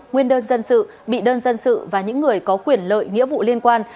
nguyên đơn dân sự bị đơn dân sự và những người có quyền lợi nghĩa vụ liên quan